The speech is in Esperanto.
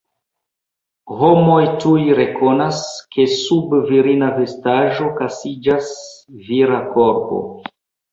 Homoj tuj rekonas, ke sub virina vestaĵo kaŝiĝas vira korpo.